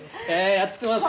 やってますか？